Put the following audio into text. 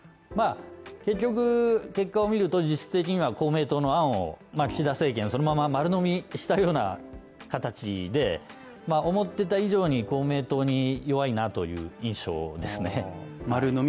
結局、結果を見ると実質的には公明党の案を岸田政権そのまま丸呑みしたような形で、思ってた以上に公明党に弱いなという印象ですね